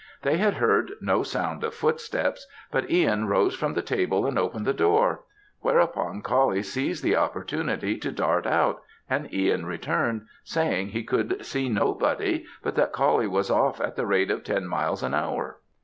They had heard no sound of footsteps, but Ihan rose from the table and opened the door; whereupon Coullie seized the opportunity to dart out, and Ihan returned, saying he could see nobody, but that Coullie was off at the rate of ten miles an hour.